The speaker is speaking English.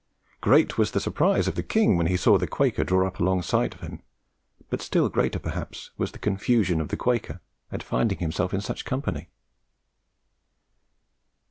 Great was the surprise of the King when he saw the Quaker draw up alongside of him, but still greater, perhaps, was the confusion of the Quaker at finding himself in such company.